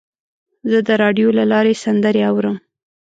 زه د راډیو له لارې سندرې اورم.